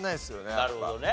なるほどね。